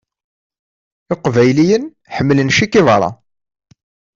Iqbayliyen ḥemmlen Che Guevara.